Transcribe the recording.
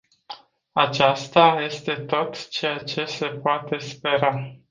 Aceasta este tot ceea ce se poate spera.